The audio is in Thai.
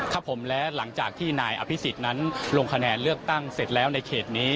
ครับผมและหลังจากที่นายอภิษฎนั้นลงคะแนนเลือกตั้งเสร็จแล้วในเขตนี้